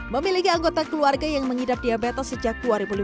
memiliki anggota keluarga yang mengidap diabetes sejak dua ribu lima belas